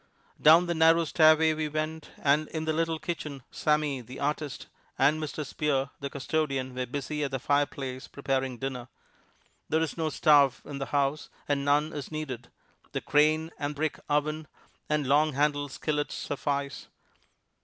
Down the narrow stairway we went, and in the little kitchen, Sammy, the artist, and Mr. Spear, the custodian, were busy at the fireplace preparing dinner. There is no stove in the house, and none is needed. The crane and brick oven and long handled skillets suffice.